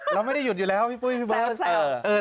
เราไม่ได้หยุดอยู่แล้วพี่ปุ้ยพี่เบิร์ต